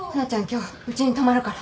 今日うちに泊まるから。